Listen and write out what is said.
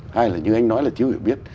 hai là như anh nói là chưa hiểu biết